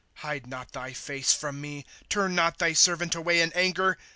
^ Hide not thy face from me ; Turn not thy servant away in anger.